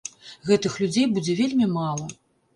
Гэтых людзей будзе вельмі мала.